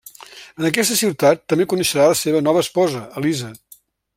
En aquesta ciutat, també coneixerà la seua nova esposa, Elisa.